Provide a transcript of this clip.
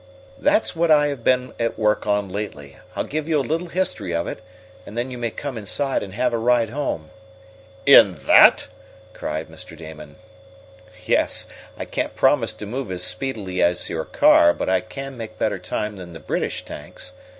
"That's what I have been at work on lately. I'll give you a little history of it, and then you may come inside and have a ride home." "In that?" cried Mr. Damon. "Yes. I can't promise to move as speedily as your car, but I can make better time than the British tanks.